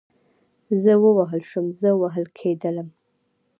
زه ووهل شوم, زه وهل کېدلم